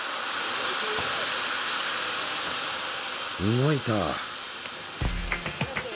動いた。